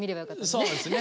そうですね。